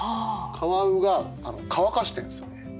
カワウが乾かしてるんですよね。